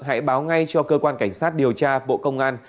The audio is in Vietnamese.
hãy báo ngay cho cơ quan cảnh sát điều tra bộ công an